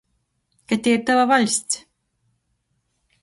Ka tei ir tova vaļsts!